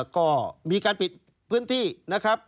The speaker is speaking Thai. ก็มีการปิดพื้นที่นะครับ